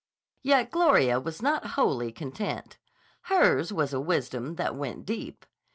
Yet Gloria was not wholly content. Hers was a wisdom that went deep.